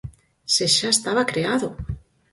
¡Se xa estaba creado!